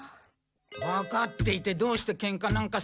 わかっていてどうしてケンカなんかするの？